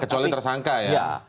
kecuali tersangka ya